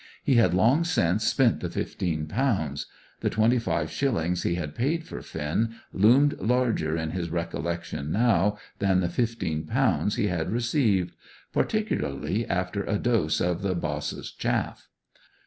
He had long since spent the fifteen pounds. The twenty five shillings he had paid for Finn loomed larger in his recollection now than the fifteen pounds he had received; particularly after a dose of the boss's chaff.